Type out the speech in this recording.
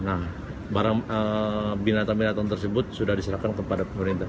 nah barang binatang binatang tersebut sudah diserahkan kepada pemerintah